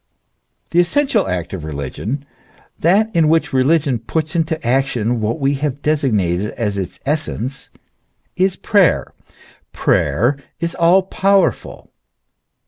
The essential act of religion, that in which religion puts into action what we have designated as its essence, is prayer. Prayer is all powerful.